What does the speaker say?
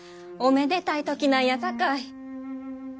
おめでたい時なんやさかい。